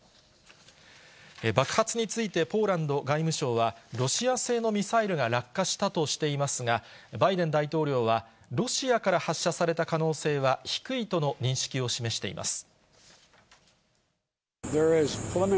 爆発について、ポーランド外務省は、ロシア製のミサイルが落下したとしていますが、バイデン大統領は、ロシアから発射された可能性は低いとの認識を示しています。